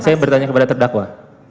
saya bertanya kepada terdakwa